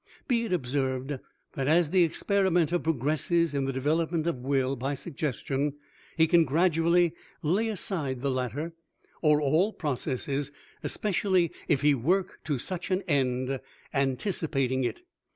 Be it observed that as the experimenter progresses in the development of will by suggestion, he can gradually lay aside the latter, or all processes, especially if he work to such an end, anticipating it.